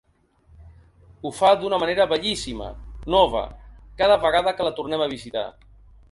Ho fa d’una manera bellíssima, nova, cada vegada que la tornem a visitar.